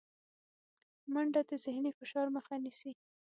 منډه د ذهني فشار مخه نیسي